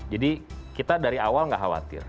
jadi kita dari awal tidak khawatir